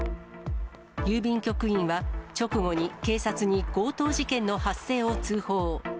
郵便局員は、直後に警察に強盗事件の発生を通報。